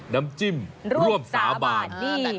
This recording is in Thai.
น้ำจิ้มเป็นร่วมสาวบาน